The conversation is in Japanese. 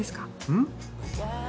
うん？